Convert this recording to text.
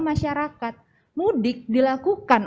masyarakat mudik dilakukan